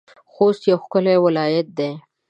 خوست يو ښکلی ولايت دی.